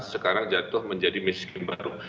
sekarang jatuh menjadi miskin baru